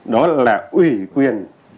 đó là ủy quyền